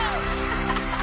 ハハハ！